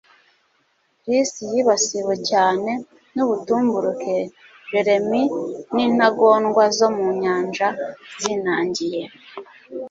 Chris yibasiwe cyane nubutumburuke, Jeremy nintagondwa zo mu nyanja zinangiye.